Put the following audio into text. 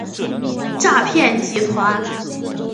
诈骗集团